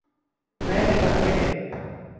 แม้ในทางเทคนิค